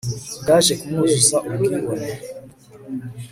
bwaje kumwuzuza ubwibone